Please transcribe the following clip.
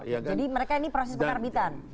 jadi mereka ini proses pengarbitan